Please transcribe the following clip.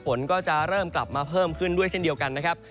ฝนก็จะเริ่มกลับมาเพิ่มขึ้นด้วยเช่นเดียวกันนะครับ